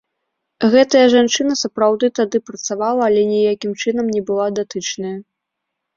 Гэтая жанчына, сапраўды, тады працавала, але ніякім чынам не была датычная.